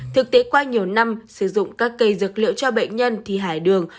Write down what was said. thực tế qua nhiều năm sử dụng các cây dược liệu cho bệnh nhân thì hải đường